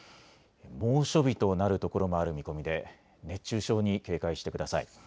猛暑日となる所もある見込みで熱中症に警戒してください。